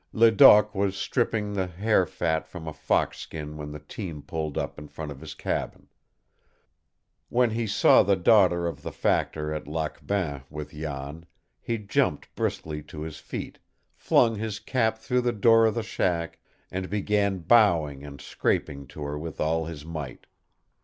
Ledoq was stripping the hair fat from a fox skin when the team pulled up in front of his cabin. When he saw the daughter of the factor at Lac Bain with Jan, he jumped briskly to his feet, flung his cap through the door of the shack, and began bowing and scraping to her with all his might.